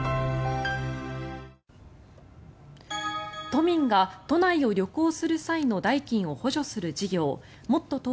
都民が都内を旅行する際の代金を補助する事業もっとＴｏｋｙｏ